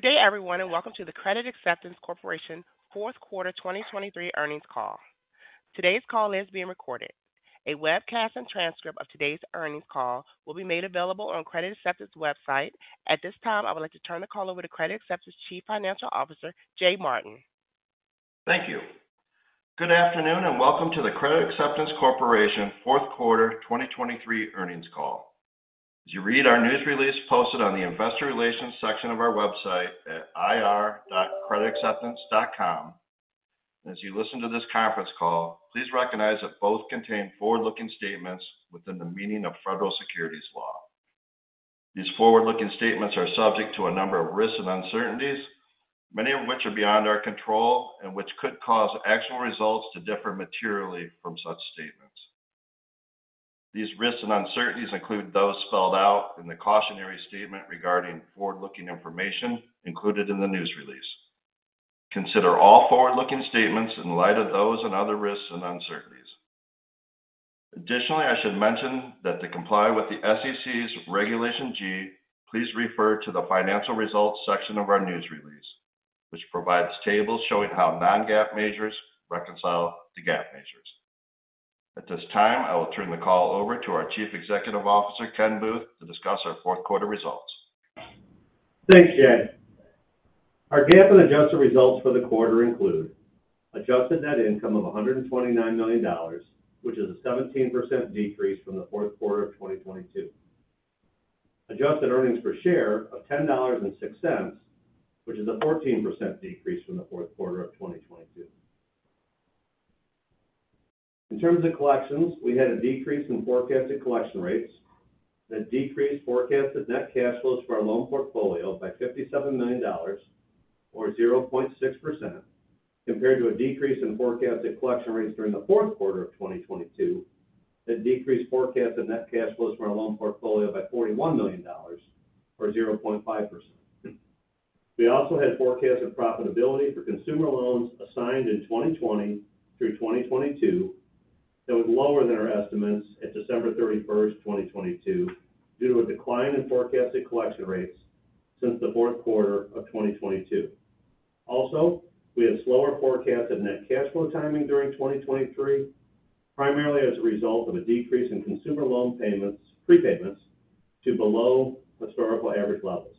Good day, everyone, and welcome to the Credit Acceptance Corporation Fourth Quarter 2023 earnings call. Today's call is being recorded. A webcast and transcript of today's earnings call will be made available on Credit Acceptance website. At this time, I would like to turn the call over to Credit Acceptance Chief Financial Officer, Jay Martin. Thank you. Good afternoon, and welcome to the Credit Acceptance Corporation Fourth Quarter 2023 earnings call. As you read our news release posted on the investor relations section of our website at ir.creditacceptance.com, and as you listen to this conference call, please recognize that both contain forward-looking statements within the meaning of federal securities laws. These forward-looking statements are subject to a number of risks and uncertainties, many of which are beyond our control, and which could cause actual results to differ materially from such statements. These risks and uncertainties include those spelled out in the cautionary statement regarding forward-looking information included in the news release. Consider all forward-looking statements in light of those and other risks and uncertainties. Additionally, I should mention that to comply with the SEC's Regulation G, please refer to the Financial Results section of our news release, which provides tables showing how non-GAAP measures reconcile to GAAP measures. At this time, I will turn the call over to our Chief Executive Officer, Ken Booth, to discuss our fourth quarter results. Thanks, Jay. Our GAAP and adjusted results for the quarter include adjusted net income of $129 million, which is a 17% decrease from the fourth quarter of 2022. Adjusted earnings per share of $10.06, which is a 14% decrease from the fourth quarter of 2022. In terms of collections, we had a decrease in forecasted collection rates. That decreased forecasted net cash flows for our loan portfolio by $57 million or 0.6%, compared to a decrease in forecasted collection rates during the fourth quarter of 2022. That decreased forecasted net cash flows from our loan portfolio by $41 million, or 0.5%. We also had forecasted profitability for consumer loans assigned in 2020 through 2022. That was lower than our estimates at December 31, 2022, due to a decline in forecasted collection rates since the fourth quarter of 2022. Also, we have slower forecasts of net cash flow timing during 2023, primarily as a result of a decrease in consumer loan payments, prepayments to below historical average levels.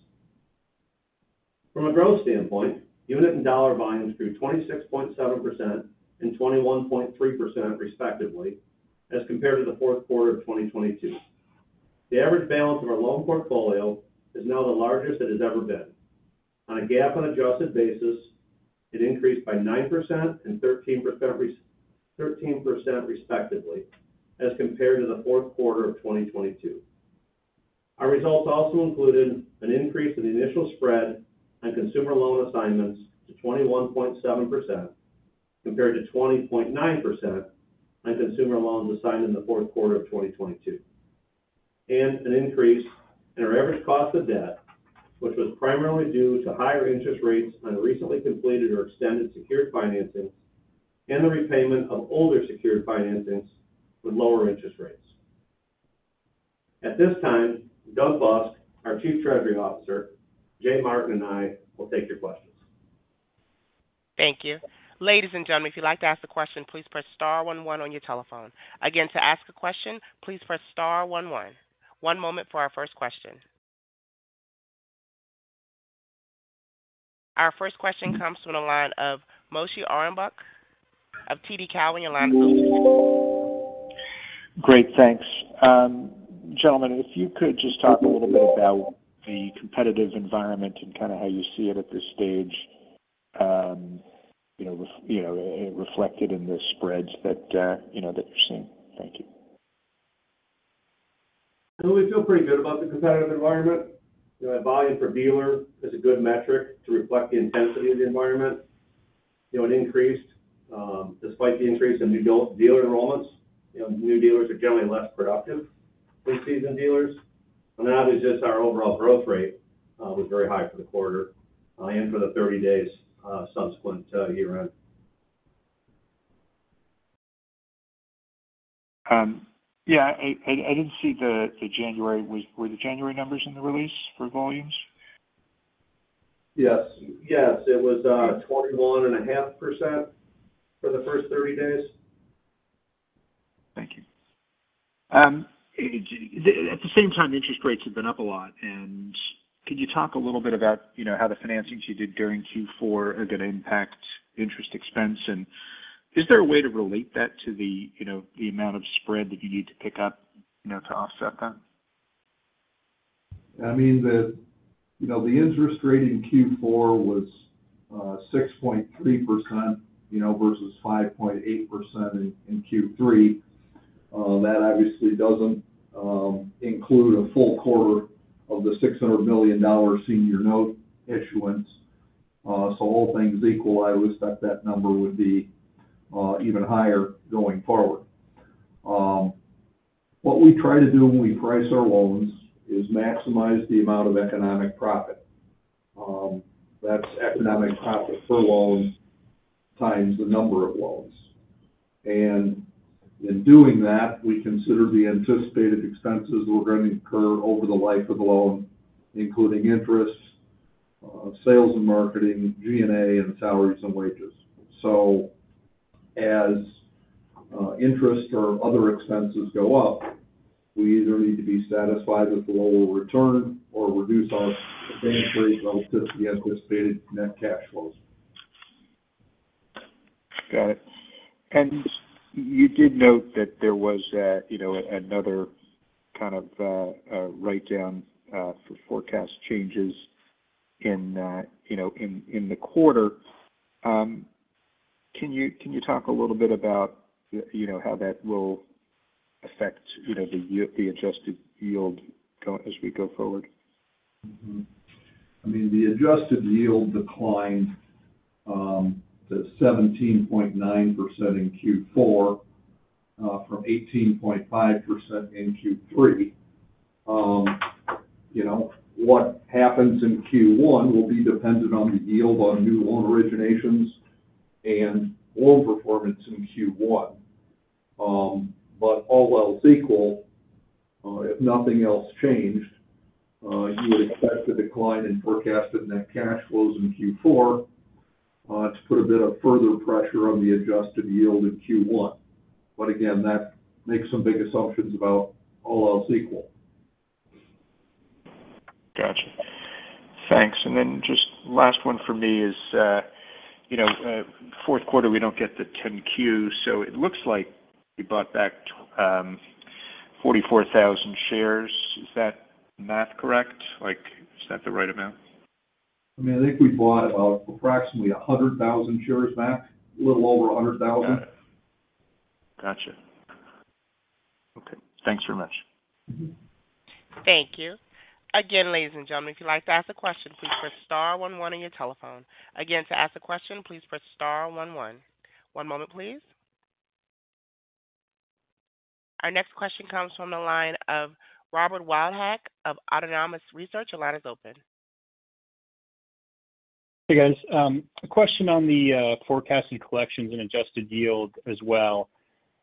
From a growth standpoint, unit and dollar volumes grew 26.7% and 21.3%, respectively, as compared to the fourth quarter of 2022. The average balance of our loan portfolio is now the largest it has ever been. On a GAAP and adjusted basis, it increased by 9% and 13%, respectively, as compared to the fourth quarter of 2022. Our results also included an increase in the initial spread on consumer loan assignments to 21.7%, compared to 20.9% on consumer loans assigned in the fourth quarter of 2022, and an increase in our average cost of debt, which was primarily due to higher interest rates on recently completed or extended secured financings and the repayment of older secured financings with lower interest rates. At this time, Doug Busk, our Chief Treasury Officer, Jay Martin, and I will take your questions. Thank you. Ladies and gentlemen, if you'd like to ask a question, please press star one one on your telephone. Again, to ask a question, please press star one one. One moment for our first question. Our first question comes from the line of Moshe Orenbuch of TD Cowen. Your line is open. Great, thanks. Gentlemen, if you could just talk a little bit about the competitive environment and kind of how you see it at this stage, you know, you know, reflected in the spreads that, you know, that you're seeing. Thank you. So we feel pretty good about the competitive environment. You know, Volume per dealer is a good metric to reflect the intensity of the environment. You know, it increased, despite the increase in new dealer enrollments. You know, new dealers are generally less productive than seasoned dealers. And then, obviously, just our overall growth rate was very high for the quarter, and for the 30 days subsequent to year-end. Yeah, I didn't see the January. Were the January numbers in the release for volumes? Yes. Yes, it was, 21.5% for the first 30 days. Thank you. At the same time, interest rates have been up a lot, and could you talk a little bit about, you know, how the financings you did during Q4 are going to impact interest expense? Is there a way to relate that to the, you know, the amount of spread that you need to pick up, you know, to offset that? I mean, you know, the interest rate in Q4 was 6.3%, you know, versus 5.8% in Q3. That obviously doesn't include a full quarter of the $600 million Senior Note issuance. So all things equal, I would expect that number would be even higher going forward. What we try to do when we price our loans is maximize the amount of economic profit. That's economic profit per loan-... times the number of loans. And in doing that, we consider the anticipated expenses we're going to incur over the life of the loan, including interest, sales and marketing, G&A, and salaries and wages. So as interest or other expenses go up, we either need to be satisfied with the lower return or reduce our advance rate relative to the anticipated net cash flows. Got it. And you did note that there was, you know, another kind of write down for forecast changes in, you know, in the quarter. Can you, can you talk a little bit about, you know, how that will affect, you know, the year—the adjusted yield, as we go forward? Mm-hmm. I mean, the Adjusted Yield declined to 17.9% in Q4 from 18.5% in Q3. You know, what happens in Q1 will be dependent on the yield on new loan originations and loan performance in Q1. But all else equal, if nothing else changed, you would expect a decline in forecasted net cash flows in Q4 to put a bit of further pressure on the Adjusted Yield in Q1. But again, that makes some big assumptions about all else equal. Got you. Thanks. And then just last one for me is, you know, fourth quarter, we don't get the 10-Q, so it looks like you bought back 44,000 shares. Is that math correct? Like, is that the right amount? I mean, I think we bought approximately 100,000 shares back, a little over 100,000. Got you. Okay, thanks very much. Mm-hmm. Thank you. Again, ladies and gentlemen, if you'd like to ask a question, please press star one one on your telephone. Again, to ask a question, please press star one one. One moment, please. Our next question comes from the line of Robert Wildhack of Autonomous Research. Your line is open. Hey, guys. A question on the forecast and collections and adjusted yield as well.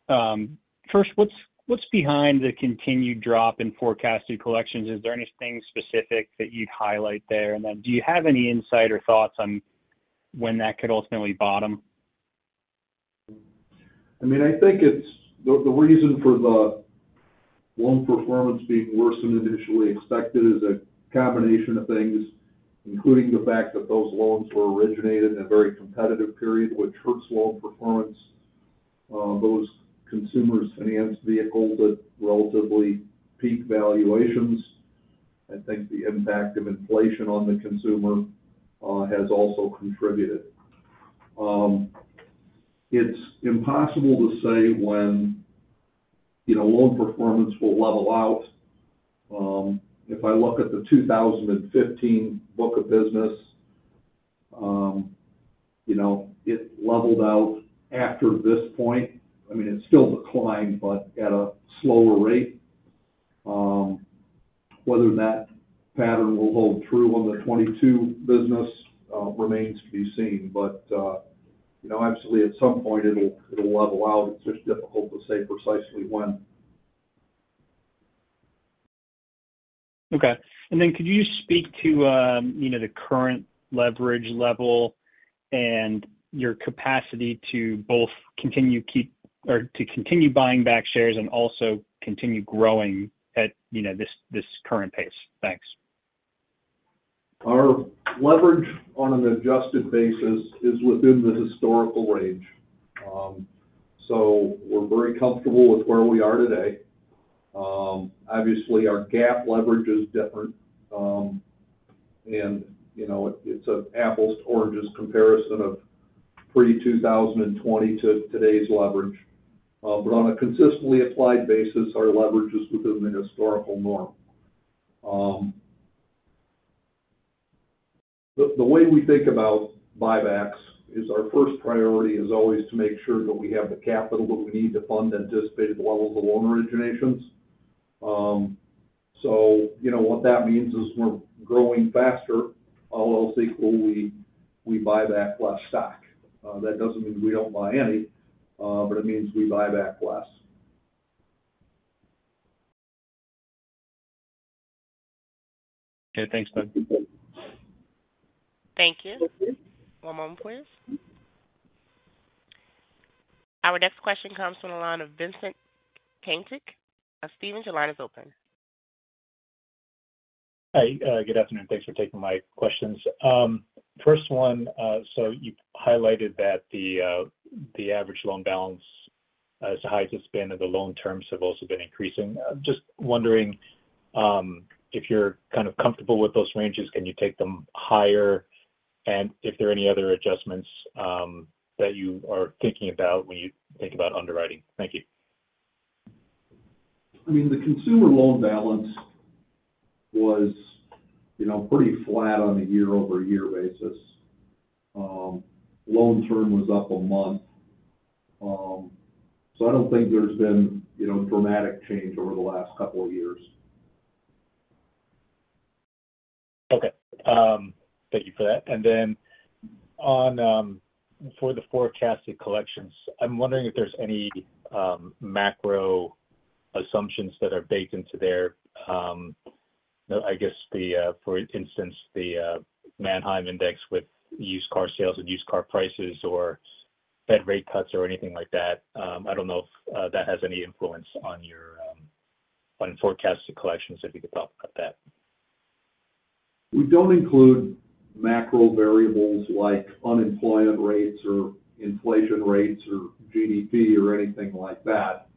First, what's behind the continued drop in forecasted collections? Is there anything specific that you'd highlight there? And then do you have any insight or thoughts on when that could ultimately bottom? I mean, I think it's... The reason for the loan performance being worse than initially expected is a combination of things, including the fact that those loans were originated in a very competitive period, which hurts loan performance. Those consumers financed vehicles at relatively peak valuations. I think the impact of inflation on the consumer has also contributed. It's impossible to say when, you know, loan performance will level out. If I look at the 2015 book of business, you know, it leveled out after this point. I mean, it's still declined, but at a slower rate. Whether that pattern will hold true on the 2022 business remains to be seen. But, you know, absolutely, at some point it'll level out. It's just difficult to say precisely when. Okay. And then could you speak to, you know, the current leverage level and your capacity to both continue or to continue buying back shares and also continue growing at, you know, this, this current pace? Thanks. Our leverage on an adjusted basis is within the historical range. So we're very comfortable with where we are today. Obviously, our GAAP leverage is different. And, you know, it's an apples to oranges comparison of pretty 2020 to today's leverage. But on a consistently applied basis, our leverage is within the historical norm. The way we think about buybacks is our first priority is always to make sure that we have the capital that we need to fund the anticipated levels of loan originations. So you know, what that means is we're growing faster, all else equally, we buy back less stock. That doesn't mean we don't buy any, but it means we buy back less. Okay, thanks, Doug. Thank you. One moment, please. Our next question comes from the line of Vincent Caintic of Stephens. Your line is open. Hi, good afternoon. Thanks for taking my questions. First one, so you highlighted that the average loan balance as high as it's been, and the loan terms have also been increasing. Just wondering, if you're kind of comfortable with those ranges, can you take them higher? And if there are any other adjustments that you are thinking about when you think about underwriting? Thank you. I mean, the consumer loan balance was, you know, pretty flat on a year-over-year basis. Loan term was up a month. So I don't think there's been, you know, a dramatic change over the last couple of years.... Okay. Thank you for that. And then on for the forecasted collections, I'm wondering if there's any macro assumptions that are baked into there. The, I guess, for instance, the Manheim Index with used car sales and used car prices or Fed rate cuts or anything like that. I don't know if that has any influence on your on forecasted collections, if you could talk about that. We don't include macro variables like unemployment rates or inflation rates or GDP or anything like that.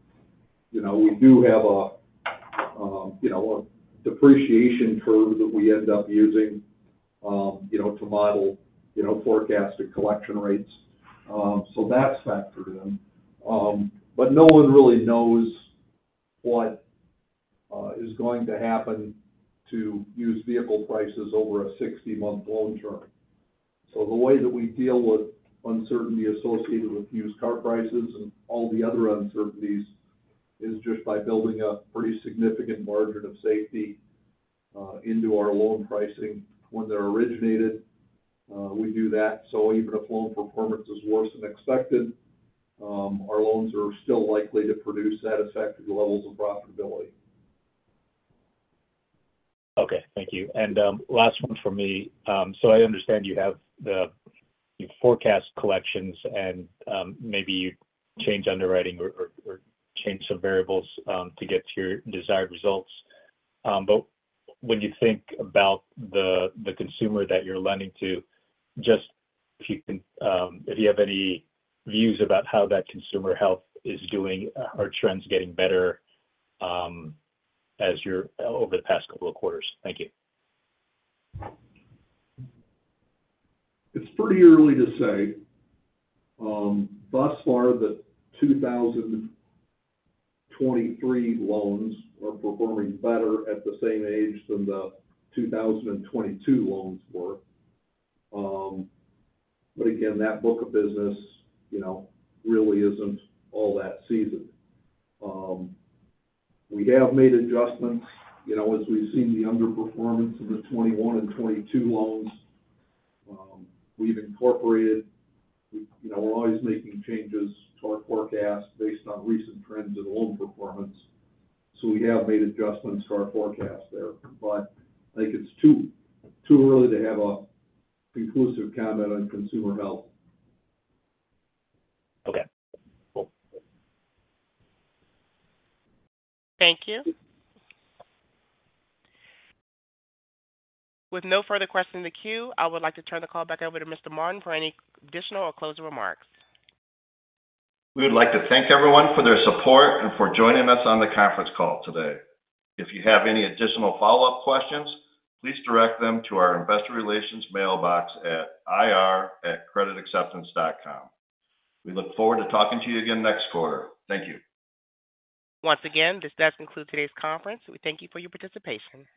You know, we do have a, you know, a depreciation curve that we end up using, you know, to model, you know, forecasted collection rates. So that's factored in. But no one really knows what is going to happen to used vehicle prices over a 60-month loan term. So the way that we deal with uncertainty associated with used car prices and all the other uncertainties is just by building a pretty significant margin of safety into our loan pricing when they're originated. We do that, so even if loan performance is worse than expected, our loans are still likely to produce satisfactory levels of profitability. Okay, thank you. And last one from me. So I understand you forecast collections and maybe you change underwriting or change some variables to get to your desired results. But when you think about the consumer that you're lending to, just if you can, if you have any views about how that consumer health is doing, are trends getting better as you're over the past couple of quarters? Thank you. It's pretty early to say. Thus far, the 2023 loans are performing better at the same age than the 2022 loans were. But again, that book of business, you know, really isn't all that seasoned. We have made adjustments, you know, as we've seen the underperformance in the 2021 and 2022 loans. We've incorporated, you know, we're always making changes to our forecast based on recent trends in loan performance, so we have made adjustments to our forecast there. But I think it's too, too early to have a conclusive comment on consumer health. Okay, cool. Thank you. With no further questions in the queue, I would like to turn the call back over to Mr. Martin for any additional or closing remarks. We would like to thank everyone for their support and for joining us on the conference call today. If you have any additional follow-up questions, please direct them to our investor relations mailbox at ir@creditacceptance.com. We look forward to talking to you again next quarter. Thank you. Once again, this does conclude today's conference. We thank you for your participation.